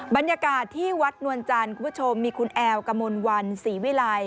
บรรยากาศที่วัดนวลจันทร์คุณผู้ชมมีคุณแอลกมลวันศรีวิลัย